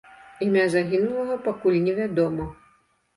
Імя загінулага пакуль невядома.